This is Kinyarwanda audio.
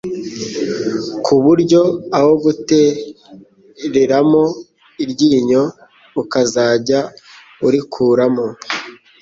ku buryo aho kugutereramo iryinyo ukazajya urikuramo,